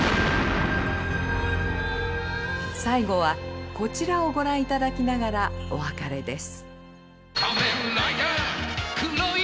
最後はこちらをご覧頂きながらお別れです。